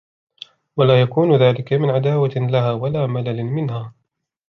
وَلَا يَكُونُ ذَلِكَ مِنْ عَدَاوَةٍ لَهَا وَلَا مَلَلٍ مِنْهَا